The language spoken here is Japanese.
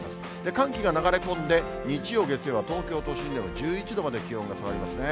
寒気が流れ込んで、日曜、月曜は東京都心でも１１度まで気温が下がりますね。